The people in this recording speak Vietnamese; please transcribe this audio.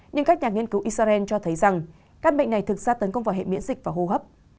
nhưng các nhà nghiên cứu israel cho thấy rằng căn bệnh này thực ra tấn công vào hệ miễn dịch và hô hấp